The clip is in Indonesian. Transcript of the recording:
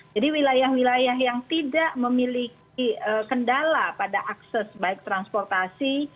jadi wilayah wilayah yang tidak memiliki kendala pada akses baik transportasi